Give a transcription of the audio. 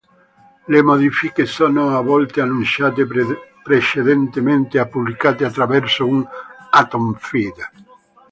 Le modifiche sono a volte annunciate precedentemente e pubblicate attraverso un Atom feed.